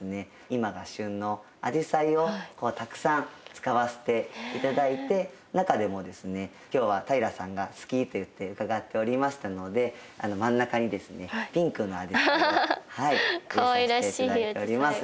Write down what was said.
今が旬のアジサイをたくさん使わせて頂いて中でもですね今日は平さんが好きといって伺っておりましたので真ん中にですねピンクのアジサイを入れさせて頂いております。